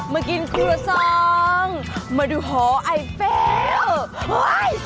มากินครูละซอล์มาดูหอไอฟ้า